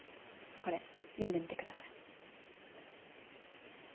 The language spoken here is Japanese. これ読んでみてくださいＧＮＮ？